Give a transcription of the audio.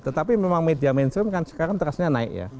tetapi memang media mainstream kan sekarang trustnya naik ya